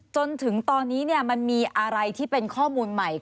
จนถึงตอนนี้มันมีอะไรที่เป็นข้อมูลใหม่